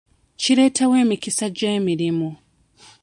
Kireetawo emikisa gy'emirimu.